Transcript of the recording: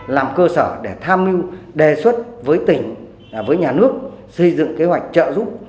làm cơ sở để tham mưu đề xuất với tỉnh với nhà nước xây dựng kế hoạch trợ giúp